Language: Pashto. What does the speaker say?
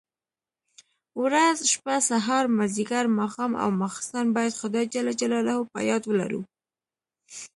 ورځ، شپه، سهار، ماځيګر، ماښام او ماخستن بايد خداى جل جلاله په ياد ولرو.